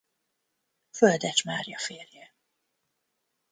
Földes Mária férje.